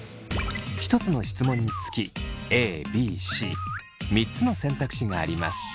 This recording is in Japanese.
１つの質問につきＡＢＣ３つの選択肢があります。